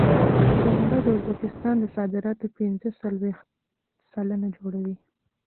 پنبه د ازبکستان د صادراتو پنځه څلوېښت سلنه جوړوي.